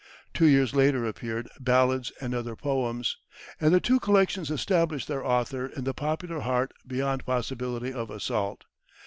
Two years later appeared "Ballads and Other Poems," and the two collections established their author in the popular heart beyond possibility of assault.